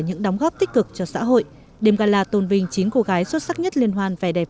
những đóng góp tích cực cho xã hội đêm gala tôn vinh chín cô gái xuất sắc nhất liên hoan vẻ đẹp